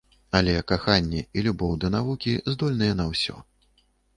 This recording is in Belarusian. Але каханне і любоў да навукі здольныя на ўсё.